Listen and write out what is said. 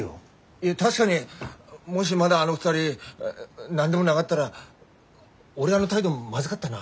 いや確かにもしまだあの２人何でもながったら俺あの態度まずがったな。